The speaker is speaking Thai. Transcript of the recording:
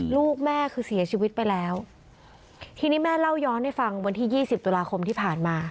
ลูกแม่คือเสียชีวิตไปแล้วทีนี้แม่เล่าย้อนให้ฟังวันที่ยี่สิบตุลาคมที่ผ่านมา